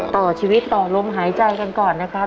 ต่อชีวิตต่อลมหายใจกันก่อนนะครับ